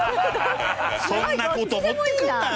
そんな事持ってくるなよ。